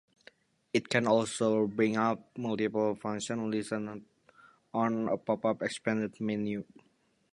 It can also bring up multiple functions listed on a pop-up expanded menu.